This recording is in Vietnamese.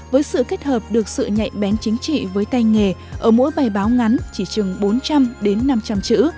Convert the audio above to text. với sự kết hợp được sự nhạy bén chính trị với tay nghề ở mỗi bài báo ngắn chỉ chừng bốn trăm linh đến năm trăm linh chữ